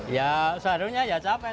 ya seharunya ya capek